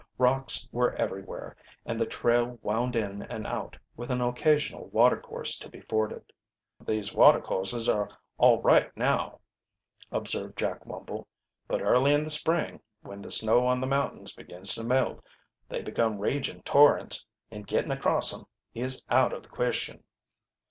Rocks were everywhere, and the trail wound in and out, with an occasional watercourse to be forded. "These watercourses are all right now," observed Jack Wumble. "But in the early spring, when the snow on the mountains begins to melt, they become raging torrents, and getting across 'em is out of the question."